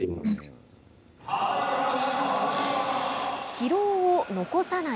疲労を残さない。